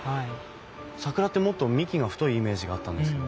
桜ってもっと幹が太いイメージがあったんですけど。